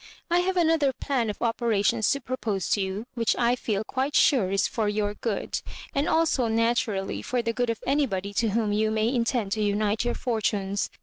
I have another plan of operations to propose to you, which I feel quite sure is for your good, and also naturally for the good of anybody to whom you may intend to unite your fortunes.